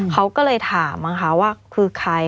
เขาก็เลยถามนะคะว่าคือใคร